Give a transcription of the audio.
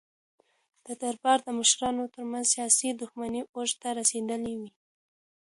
د دربار د مشرانو ترمنځ سیاسي دښمنۍ اوج ته رسېدلې وې.